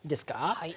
はい。